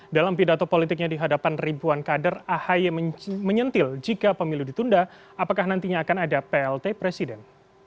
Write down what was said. dalam pidato politiknya di hadapan ribuan kader ahy menyentil jika pemilu ditunda apakah nantinya akan ada plt presiden